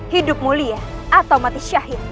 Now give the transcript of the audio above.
hidup mulia atau mati syahid